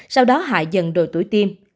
sau đó hạ dần đội tuổi tiêm